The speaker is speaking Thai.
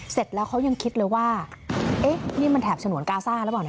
เสร็จแล้วเขายังคิดเลยว่าเอ๊ะนี่มันแถบสนวนกาซ่าแล้วบอกไหม